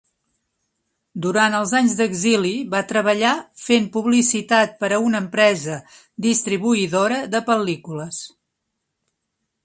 Durant els anys d'exili va treballar fent publicitat per a una empresa distribuïdora de pel·lícules.